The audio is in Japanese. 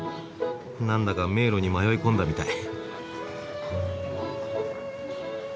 何だか迷路に迷い込んだみたい。